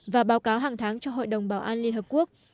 và báo cáo hàng tháng cho hội đồng bảo an liên hợp quốc